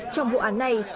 trong vụ án này